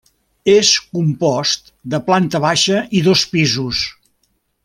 És compost de planta baixa i dos pisos.